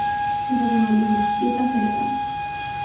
Su segundo libro "Quieta Heredad.